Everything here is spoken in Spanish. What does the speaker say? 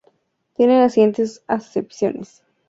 Tiene las siguientes acepciones.